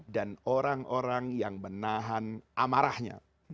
dan orang orang yang menahan amarahnya